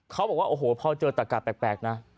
เขาบอกว่าโอ้โหพอเจอตะกะแปลกนะ